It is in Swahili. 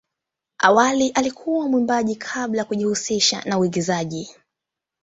Awali alikuwa mwimbaji kabla ya kujihusisha na uigizaji.